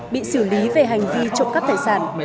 bị xử lý về hành vi trộm cắp tài sản